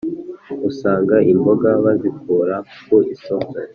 usanga imboga bazikura ku isoko.